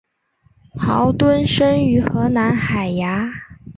豪敦生于荷兰海牙。